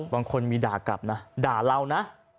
บางคนมีด่ากลับนะด่าเรานะ